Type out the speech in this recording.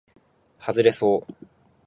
はずれそう